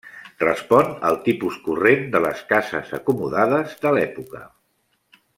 Respon al tipus corrent de les cases acomodades de l'època.